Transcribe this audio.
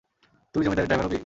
তুই জমিদারের ড্রাইভার হবি?